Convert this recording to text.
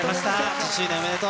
１０周年おめでとう。